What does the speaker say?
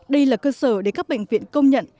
đây là cơ sở để các bệnh viện công nhận